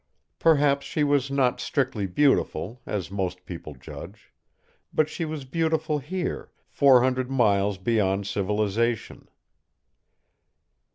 Perhaps she was not strictly beautiful, as most people judge; but she was beautiful here, four hundred miles beyond civilization.